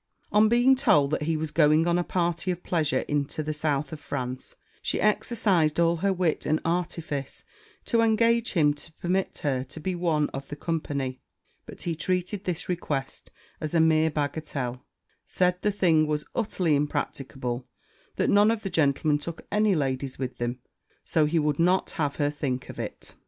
On being told that he was going on a party of pleasure into the south of France, she exercised all her wit and artifice to engage him to permit her to be one of the company; but he treated this request as a mere bagatelle said the thing was utterly impracticable that none of the gentlemen took any ladies with them so he would not have her think of it.